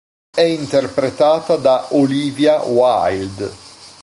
È interpretata da Olivia Wilde.